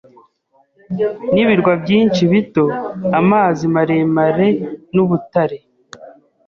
nibirwa byinshi bito amazi maremarenubutare